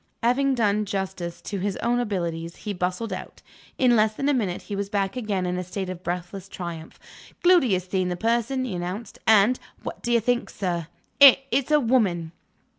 Having done justice to his own abilities, he bustled out. In less than a minute, he was back again in a state of breathless triumph. "Gloody has seen the person," he announced; "and (what do you think, sir?) it's a woman!"